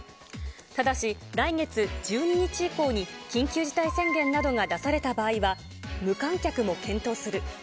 ただし来月１２日以降に緊急事態宣言などが出された場合は、無観客も検討する。